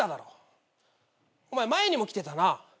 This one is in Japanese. お前前にも来てたな。